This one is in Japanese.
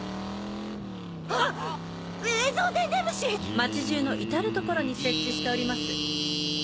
街中の至る所に設置しております。